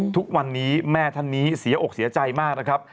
ทุกวันนี้แม่ท่านนี้เสียอกเสียใจมากนะครับ